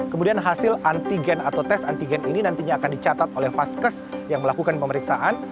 kemudian hasil antigen atau tes antigen ini nantinya akan dicatat oleh vaskes yang melakukan pemeriksaan